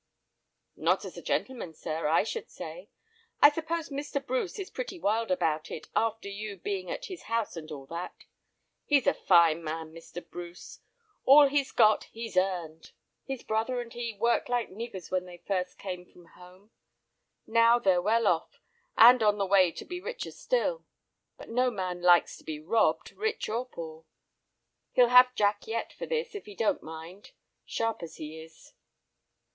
"Not as a gentleman, sir, I should say. I suppose Mr. Bruce is pretty wild about it, after you being at his house and all that. He's a fine man, Mr. Bruce; all he's got he's earned. His brother and he worked like niggers when first they came from home. Now they're well off, and on the way to be richer still. But no man likes to be robbed, rich or poor. He'll have Jack yet for this if he don't mind, sharp as he is."